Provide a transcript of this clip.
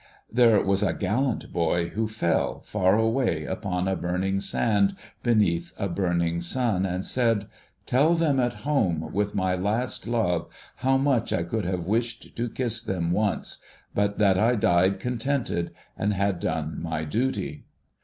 There was a gallant boy, who fell, far away, upon a burning sand beneath a burning sun, and said, ' Tell them at home, with my last love, how much I could have wished to kiss them once, but that I died contented and had done my duty